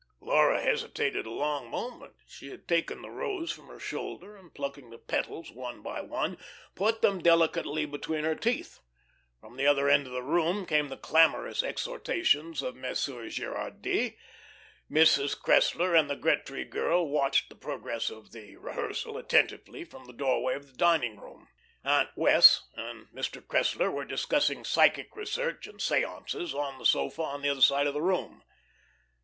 Laura hesitated a long moment. She had taken the rose from her shoulder, and plucking the petals one by one, put them delicately between her teeth. From the other end of the room came the clamorous exhortations of Monsieur Gerardy. Mrs. Cressler and the Gretry girl watched the progress of the rehearsal attentively from the doorway of the dining room. Aunt Wess' and Mr. Cressler were discussing psychic research and seances, on the sofa on the other side of the room.